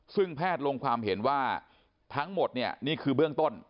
ซึ่งแพทย์ลงความเห็นว่าทั้งหมดเนี่ยนี่คือเบื้องต้น